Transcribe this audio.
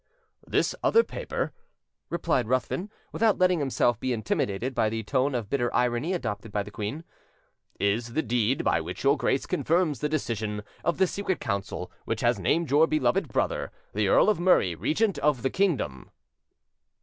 "This other paper," replied Ruthven, without letting himself be intimidated by the tone of bitter irony adopted by the queen, "is the deed by which your Grace confirms the decision of the Secret Council which has named your beloved brother, the Earl of Murray, regent of the kingdom."